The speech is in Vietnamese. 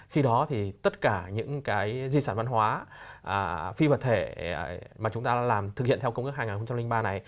khi đó thì tất cả những cái di sản văn hóa phi vật thể mà chúng ta làm thực hiện theo công ước hai nghìn ba này